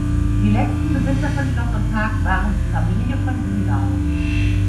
Die letzten Besitzer von Schloss und Park waren die Familie von Bünau.